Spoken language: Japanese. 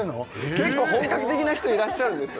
結構本格的な人いらっしゃるんですよ